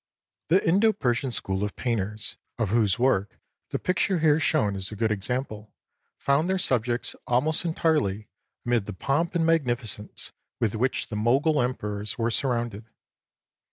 The Indo Persian school of painters, of whose work the picture here shown is a good example, found their subjects almost entirely amid the pomp and magnificence with which the Mogul emperors were surrounded.